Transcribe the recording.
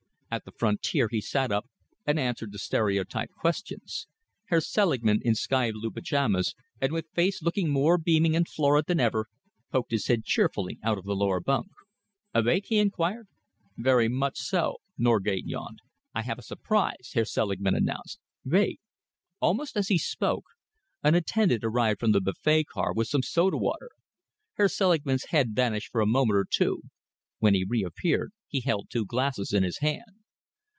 At the frontier he sat up and answered the stereotyped questions. Herr Selingman, in sky blue pyjamas, and with face looking more beaming and florid than ever, poked his head cheerfully out of the lower bunk. "Awake?" he enquired. "Very much so," Norgate yawned. "I have a surprise," Herr Selingman announced. "Wait." Almost as he spoke, an attendant arrived from the buffet car with some soda water. Herr Selingman's head vanished for a moment or two. When he reappeared, he held two glasses in his hand.